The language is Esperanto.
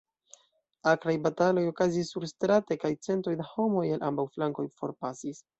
Akraj bataloj okazis surstrate, kaj centoj da homoj el ambaŭ flankoj forpasis.